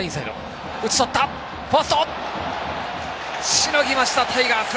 しのぎました、タイガース。